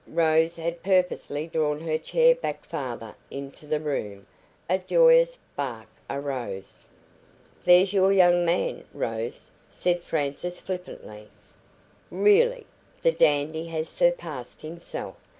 Rose had purposely drawn her chair back farther into the room. A joyous bark arose. "There's your young man, Rose," said Frances flippantly. "Really, the dandy has surpassed himself.